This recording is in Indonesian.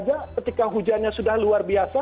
tidak mau saja ketika hujannya sudah luar biasa